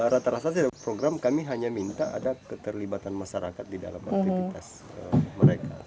rata rata setiap program kami hanya minta ada keterlibatan masyarakat di dalam aktivitas mereka